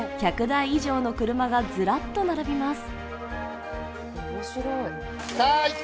１００台以上の車がずらっと並びます